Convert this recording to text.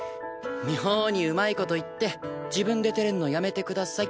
妙にうまい事言って自分で照れんのやめてください。